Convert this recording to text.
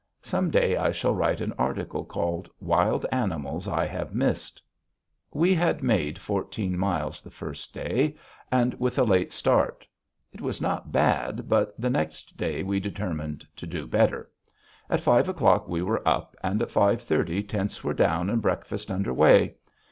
Some day I shall write an article called: "Wild Animals I Have Missed." We had made fourteen miles the first day, with a late start. It was not bad, but the next day we determined to do better. At five o'clock we were up, and at five thirty tents were down and breakfast under way.